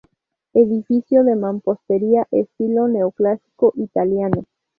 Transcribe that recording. Edificio de mampostería estilo neoclásico italiano.